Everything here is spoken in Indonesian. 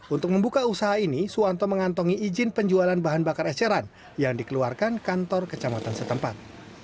untuk membuka usaha ini suwanto mengantongi izin penjualan bahan bakar eceran yang dikeluarkan kantor kecamatan setempat